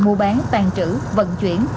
mua bán tàn trữ vận chuyển